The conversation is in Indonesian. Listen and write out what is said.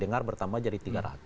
dengar bertambah jadi tiga ratus